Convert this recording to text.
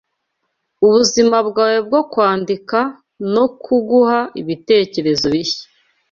ubuzima bwawe bwo kwandika no kuguha ibitekerezo bishya